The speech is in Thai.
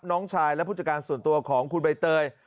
น้องชายและผู้จัดการส่วนตัวของคุณใบเตย